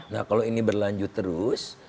nah kalau ini berlanjut terus